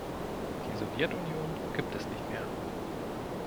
Die Sowjetunion gibt es nicht mehr.